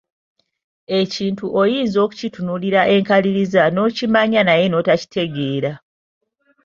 Ekintu oyinza okukitunuulira enkaliriza n'okimanya naye n'otakitegeera